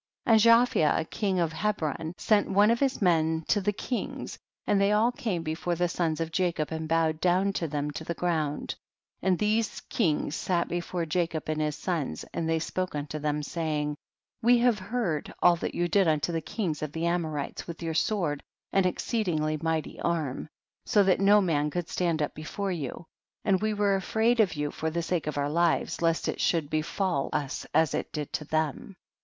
44. And Japhia, king of Hebron, THE BOOK OF JA.SHER. 125 sent one of his men to the kings, and they all came before the sons of Ja cob, and bowed down to them to the ground, and these kings sat before Jacob and his sons, and they spoke mito them, saying, 45. We have heard all that you did unto the kings of the Amorites with your sword and exceedingly mighty arm, so that no man could stand up before you, and we were afraid of you for the sake of our lives, lost it should befall us as it did to them.